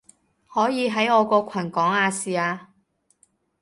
可以喺我個群講亞視啊